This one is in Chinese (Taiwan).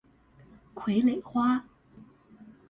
傀儡花